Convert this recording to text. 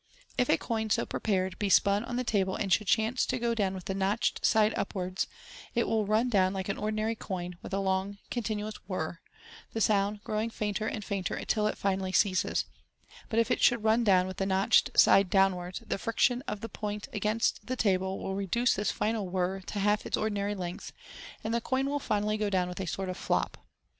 If a coin so prepared be spun on the table, and should chance to go down with the notched side upwards, it will run down like an ordinary coin, with a long continuous * whirr,'* the sound growing fainter and fainter till it finally ceases 5 but if it should run down with the notched side downwards, the fric tion of the point against the table will reduce this final whirr to half its ordinary length, and the coin will finally go down with a sort of "flop."